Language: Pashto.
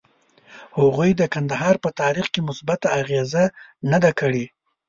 هغوی د کندهار په تاریخ کې مثبته اغیزه نه ده کړې.